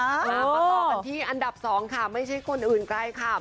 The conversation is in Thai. มาต่อกันที่อันดับ๒ค่ะไม่ใช่คนอื่นไกลค่ะ